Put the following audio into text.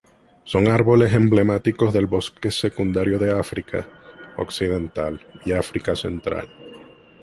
Son árboles emblemáticos del bosque secundario de África Occidental y África Central.